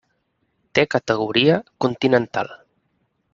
Té categoria continental.